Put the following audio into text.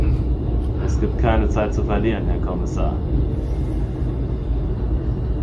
Es gibt keine Zeit zu verlieren, Herr Kommissar.